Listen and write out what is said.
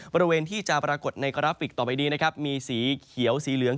บริเวณที่จะปรากฏในกราฟิกต่อไปนี้นะครับมีสีเขียวสีเหลือง